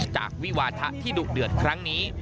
วิวาทะที่ดุเดือดครั้งนี้